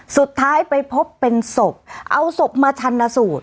สุดท้ายไปพบเป็นศพเอาศพมาชันสูตร